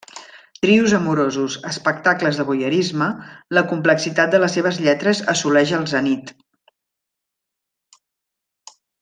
Trios amorosos, espectacles de voyeurisme, la complexitat de les seves lletres assoleix el zenit.